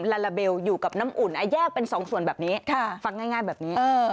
ลาลาเบลอยู่กับน้ำอุ่นแยกเป็นสองส่วนแบบนี้ฟังง่ายแบบนี้